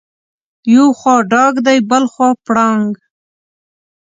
یو خوا ډاګ دی بلخوا پړانګ دی.